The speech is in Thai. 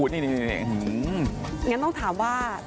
งั้นต้องถามว่า